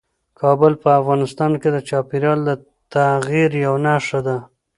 کابل په افغانستان کې د چاپېریال د تغیر یوه نښه ده.